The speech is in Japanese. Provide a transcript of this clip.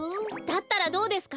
だったらどうですか？